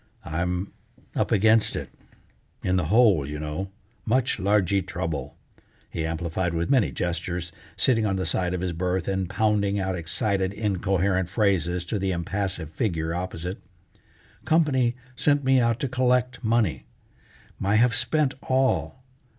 "I'm up against it, in the hole, you know, much largee trouble," he amplified with many gestures, sitting on the side of his berth, and pounding out excited, incoherent phrases to the impassive figure opposite. "Company sent me out to collect money. My have spent all.